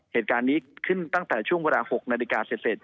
เหตุการณ์นี้ขึ้นตั้งแต่ช่วงเวลา๖นาฬิกาเสร็จ